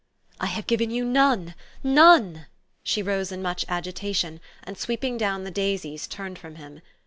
"I have given you none, none!" She rose in much agitation, and, sweeping down the daisies, turned from him.